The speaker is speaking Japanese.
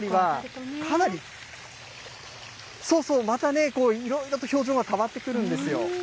そうそう、またいろいろと表情が変わってくるんですよ。